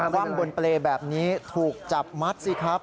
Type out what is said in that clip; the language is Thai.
คว่ำบนเปรย์แบบนี้ถูกจับมัดสิครับ